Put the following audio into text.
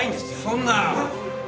そんな。